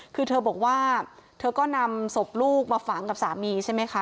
คือเธอบอกว่าเธอก็นำศพลูกมาฝังกับสามีใช่ไหมคะ